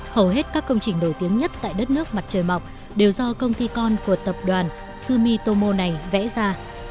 hầu hết các công trình nổi tiếng nhất tại đất nước mặt trời mọc đều do công ty con của tập đoàn sumitomo này vẽ ra